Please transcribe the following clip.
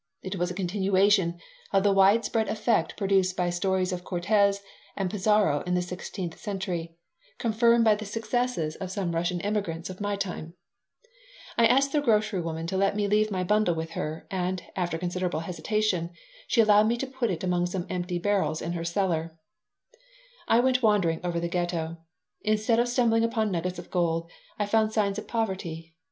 It was a continuation of the widespread effect produced by stories of Cortes and Pizarro in the sixteenth century, confirmed by the successes of some Russian emigrants of my time I asked the grocery woman to let me leave my bundle with her, and, after considerable hesitation, she allowed me to put it among some empty barrels in her cellar I went wandering over the Ghetto. Instead of stumbling upon nuggets of gold, I found signs of poverty.